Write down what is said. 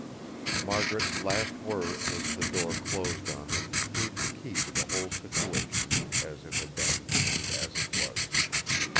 Margaret's last words as the door closed on them gave the key to the whole situation, as it had been and as it was.